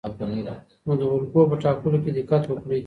نو د الګو په ټاکلو کې دقت وکړئ.